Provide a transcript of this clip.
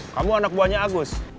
kamu anak buahnya agus